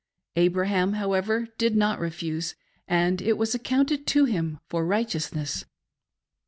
Abraham, however, did not refuse, and it was accounted to him for righteousness.